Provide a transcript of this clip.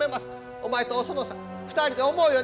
お前とお園さん２人で思うようになさい！